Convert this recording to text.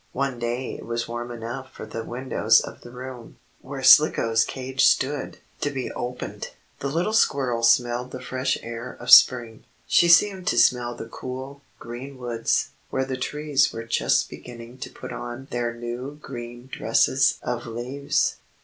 One day it was warm enough for the windows of the room, where Slicko's cage stood, to be opened. The little squirrel smelled the fresh air of spring. She seemed to smell the cool, green woods, where the trees were just beginning to put on their new green dresses of leaves.